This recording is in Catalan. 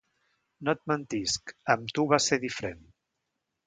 No et mentisc; amb tu, va ser diferent.